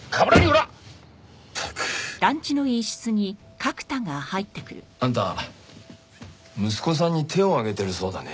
ったく！あんた息子さんに手をあげてるそうだね。